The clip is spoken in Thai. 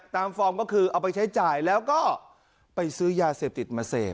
ฟอร์มก็คือเอาไปใช้จ่ายแล้วก็ไปซื้อยาเสพติดมาเสพ